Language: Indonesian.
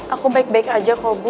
aku baik baik aja kok bu